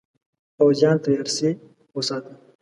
پوځیان تیار سی وساتي.